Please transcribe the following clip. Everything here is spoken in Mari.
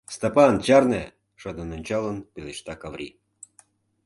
— Стапан, чарне! — шыдын ончалын, пелешта Каври.